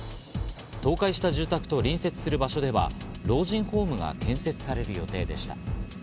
倒壊した住宅と隣接する場所では老人ホームが建設される予定でした。